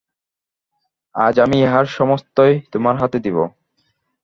আজ আমি ইহার সমস্তই তোমার হাতে দিব।